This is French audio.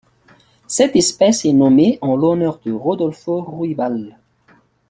Cette espèce est nommée en l'honneur de Rodolfo Ruibal.